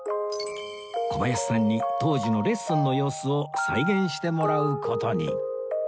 小林さんに当時のレッスンの様子を再現してもらう事に